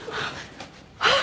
あっ！